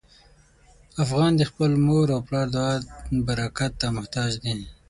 افغان د خپل مور او پلار د دعا برکت ته محتاج دی.